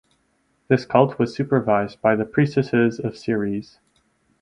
This cult was supervised by the priestesses of Ceres.